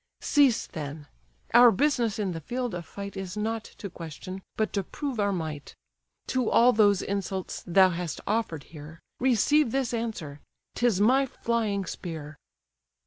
Cease then—Our business in the field of fight Is not to question, but to prove our might. To all those insults thou hast offer'd here, Receive this answer: 'tis my flying spear."